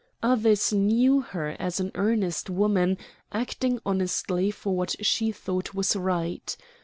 Others knew her as an earnest woman, acting honestly for what she thought was right.